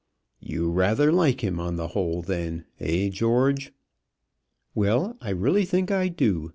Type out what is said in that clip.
"You rather like him on the whole, then eh, George?" "Well; I really think I do.